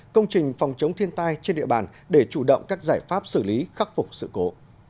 công trình phòng chống thiên tai trên địa bàn để chủ động các giải pháp xử lý khắc phục sự cố